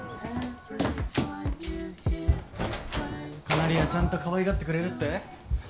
カナリアちゃんとかわいがってくれるって？